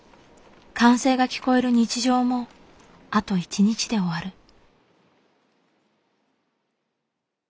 歓声が聞こえる日常もあと１日で終わる。